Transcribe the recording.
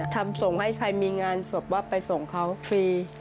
ส่งให้ใครมีงานศพว่าไปส่งเขาฟรี